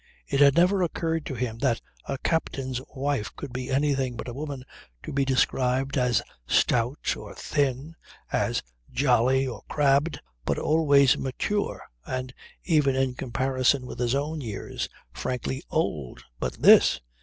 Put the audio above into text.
It had never occurred to him that a captain's wife could be anything but a woman to be described as stout or thin, as jolly or crabbed, but always mature, and even, in comparison with his own years, frankly old. But this!